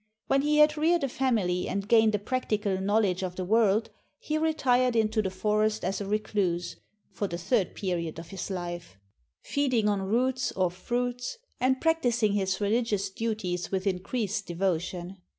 When he had reared a family and gained a practical knowledge of the world, he retired into the forest as a recluse, for the third period of his life; feeding on roots or fruits, and practicing his reli gious duties with increased devotion.